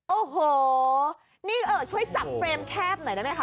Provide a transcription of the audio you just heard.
โอ้โหนี่ช่วยจับเฟรมแคบหน่อยได้ไหมคะ